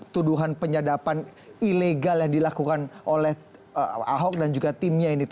tuduhan penyadapan ilegal yang dilakukan oleh ahok dan juga timnya ini